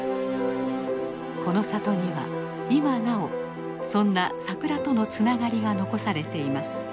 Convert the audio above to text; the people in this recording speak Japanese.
この里には今なおそんな桜とのつながりが残されています。